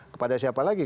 kepada siapa lagi